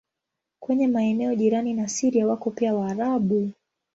Kwenye maeneo jirani na Syria wako pia Waarabu.